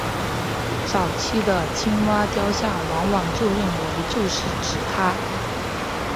早期的青蛙雕像往往被认为就是指她。